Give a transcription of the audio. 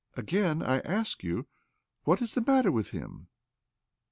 " Again I ask you : what is the matter with him